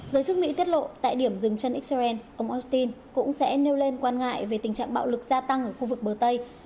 giới chức mỹ tiết lộ tại điểm dừng chân israel ông austin cũng sẽ nêu lên quan ngại về tình trạng bạo lực gia tăng ở khu vực bờ tây